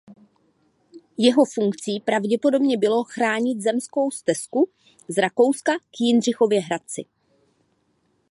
Jeho funkcí pravděpodobně bylo chránit zemskou stezku z Rakouska k Jindřichově Hradci.